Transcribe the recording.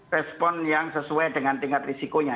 respon yang sesuai dengan tingkat risikonya